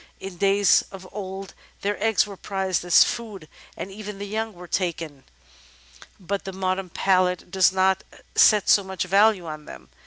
In days of old their eggs were prized as food, and even the young were taken, but the modem 422 The Outline of Science palate does not set so much value on them.